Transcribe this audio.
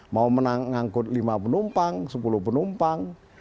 mau mengangkut lima penumpang sepuluh penumpang